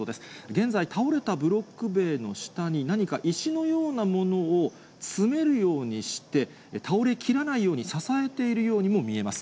現在、倒れたブロック塀の下に、何か石のようなものを積めるようにして、倒れきらないように支えているようにも見えます。